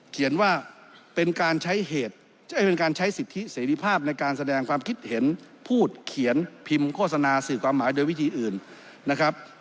เขียนว่าเป็นการใช้เหตุเป็นการใช้สิทธิเสรีภาพในการแสดงความคิดเห็นพูดเขียนพิมพ์โฆษณาสื่อความหมายโดยวิธีอื่นนะครับ